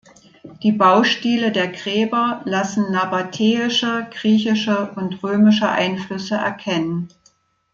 Die Baustile der Gräber lassen nabatäische, griechische und römische Einflüsse erkennen.